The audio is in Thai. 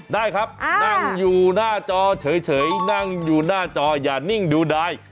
ได้ครับนั่งอยู่หน้าจอเฉยนั่งอยู่หน้าจออย่านิ่งดูดาย